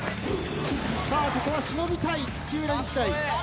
ここはしのぎたい土浦日大。